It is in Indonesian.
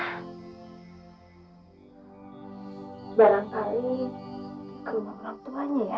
hai barang barri kamera utuhnya ya